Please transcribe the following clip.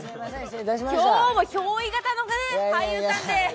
今日も憑依型の俳優さんで。